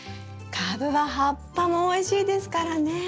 カブは葉っぱもおいしいですからね。